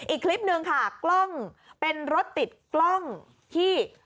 อีกคลิปหนึ่งค่ะกล้องเป็นรถติดกล้องที่